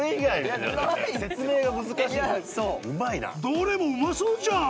どれもうまそうじゃん